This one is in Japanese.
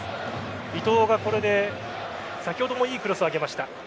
伊東が先ほどもいいクロスを上げました。